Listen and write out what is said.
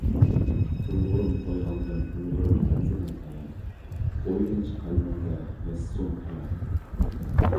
ئۇيغۇرۇم ئويغانغىن ئۇيغۇرۇم مەنزىلىڭ قايان، ئويلىنىش قەلبىڭدە ياسىسۇن قىيان.